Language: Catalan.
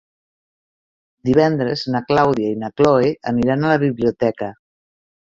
Divendres na Clàudia i na Cloè aniran a la biblioteca.